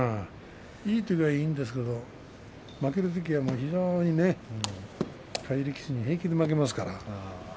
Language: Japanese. いいときはいいんだけれど負けるときには非常にね下位力士に平気で負けますから。